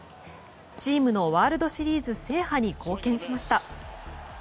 チームのワールドシリーズ制覇に貢献しました。